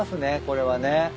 これはね。